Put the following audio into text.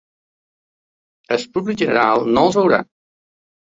El públic general no els veurà.